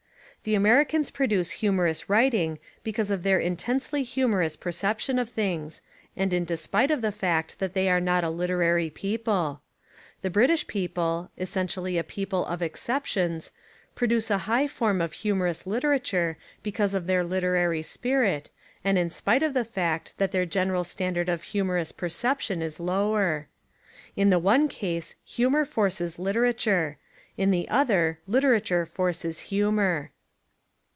The Americans produce humorous writ ing because of their Intensely humorous percep 135 Essays and Literary Studies tion of things, and in despite of the fact that they are not a literary people. The British peo ple, essentially a people of exceptions, produce a high form of humorous literature because of their literary spirit, and in spite of the fact that their general standard of humorous per ception is lower. In the one case humour forces literature. In the other literature forces hu mour.